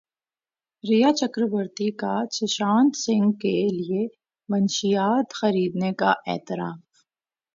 ریا چکربورتی کا سشانت سنگھ کے لیے منشیات خریدنے کا اعتراف